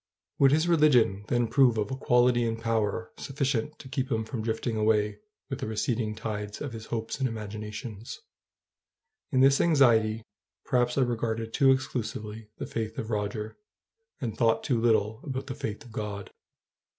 Would his religion then prove of a quality and power sufficient to keep him from drifting away with the receding tide of his hopes and imaginations? In this anxiety perhaps I regarded too exclusively the faith of Roger, and thought too little about the faith of God.